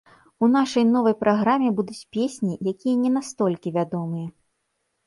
У нашай новай праграме будуць песні, якія не настолькі вядомыя.